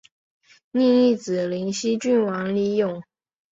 另一子灵溪郡王李咏。